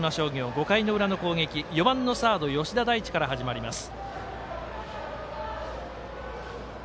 ５回の裏の攻撃、４番のサード吉田大馳から始まります。